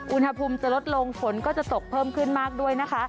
อุณหภูมิจะลดลงฝนก็จะตกเพิ่มขึ้นมากด้วยนะคะ